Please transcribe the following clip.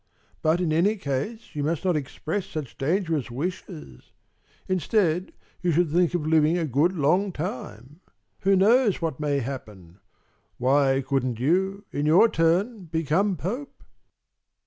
But, in any case, you must not express such dangerous wishes. Instead, you should think of living a good long time. Who knows what may happen? Why couldn't you, in your turn, become Pope?"